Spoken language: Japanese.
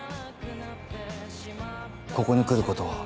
ここに来ること